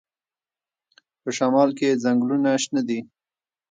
په شمال کې ځنګلونه شنه دي.